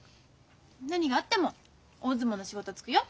何があっても大相撲の仕事就くよ。